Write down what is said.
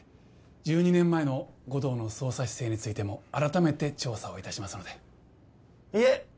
１２年前の護道の捜査姿勢についても改めて調査をいたしますのでいえ